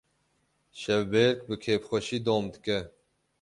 Şevbêrk bi kêfxweşî dom dike.